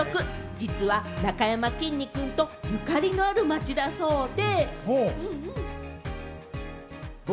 実は、なかやまきんに君とゆかりのある街だそうで。